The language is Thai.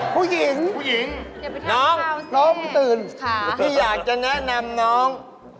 ผู้หญิงน้องหนูตื่นพี่อยากจะแนะนำน้อง